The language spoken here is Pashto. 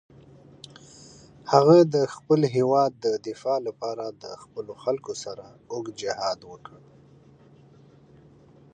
هغه د خپل هېواد د دفاع لپاره د خپلو خلکو سره اوږد جهاد وکړ.